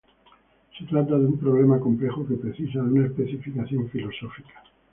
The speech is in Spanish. Se trata de un problema complejo que precisa de una especificación filosófica.